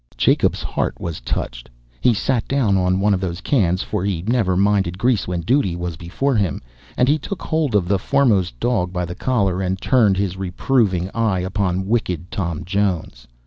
Jacob's heart was touched. He sat down on one of those cans (for he never minded grease when duty was before him), and he took hold of the foremost dog by the collar, and turned his reproving eye upon wicked Tom Jones.